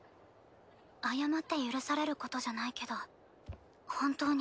謝って許されることじゃないけど本当に。